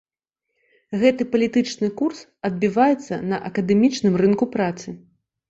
Гэты палітычны курс адбіваецца на акадэмічным рынку працы.